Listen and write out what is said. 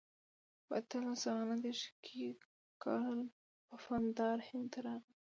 په اتلس سوه نهه دېرش کې کارل پفاندر هند ته راغی.